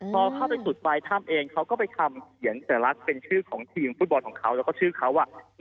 พอเข้าไปจุดปลายถ้ำเองเขาก็ไปทำเขียนสัญลักษณ์เป็นชื่อของทีมฟุตบอลของเขาแล้วก็ชื่อเขา